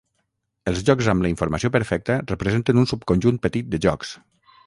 Els jocs amb la informació perfecta representen un subconjunt petit de jocs.